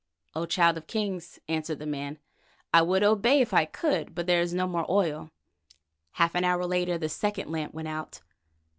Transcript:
"O Child of Kings," answered the man, "I would obey if I could, but there is no more oil." Half an hour later the second lamp went out.